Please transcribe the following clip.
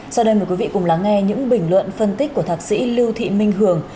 sau đây mời quý vị cùng lắng nghe những bình luận phân tích của thạc sĩ lưu thị minh hường